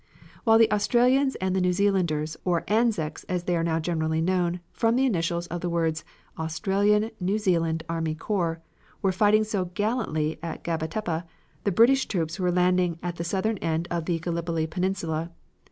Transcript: While the Australians and New Zealanders, or Anzacs as they are now generally known from the initials of the words Australian New Zealand Army Corps, were fighting so gallantly at Gaba Tepe, the British troops were landing at the southern end of the Gallipoli Peninsula.